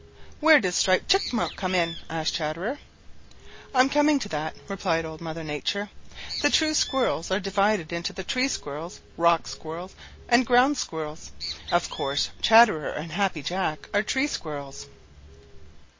"Where does Striped Chipmunk come in?" asked Chatterer. "I'm coming to that," replied Old Mother Nature. "The true Squirrels are divided into the Tree Squirrels, Rock Squirrels, and Ground Squirrels. Of course Chatterer and Happy Jack are Tree Squirrels."